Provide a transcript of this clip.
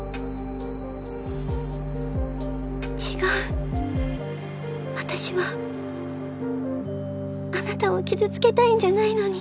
違う私はあなたを傷つけたいんじゃないのに